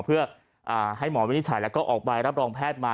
เพื่อให้หมอวินิจฉัยแล้วก็ออกใบรับรองแพทย์มา